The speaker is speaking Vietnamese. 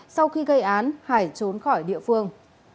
sau khi gây án hải trốn khỏi địa phương